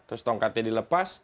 terus tongkatnya dilepas